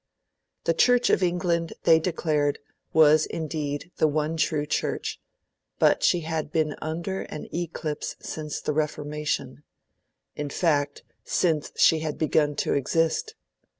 The Church of England, they declared, was indeed the one true Church, but she had been under an eclipse since the Reformation; in fact, since she had begun to exist.